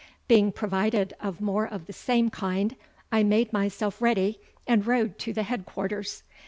Being provided of more of the same kind, I made myselfe reddie, and rode to the head quarters.